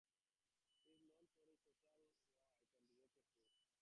He is known for his social work and direct approach.